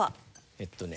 えっとね。